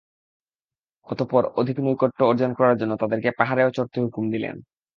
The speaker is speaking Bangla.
অতঃপর অধিক নৈকট্য অর্জন করার জন্যে তাদেরকে পাহাড়েও চড়তে হুকুম দিলেন।